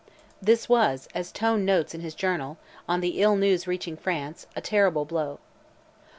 This was, as Tone notes in his journal, on the ill news reaching France, "a terrible blow."